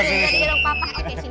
sini di gedung papa